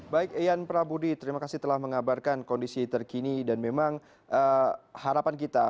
baik ian prabudi terima kasih telah mengabarkan kondisi terkini dan memang harapan kita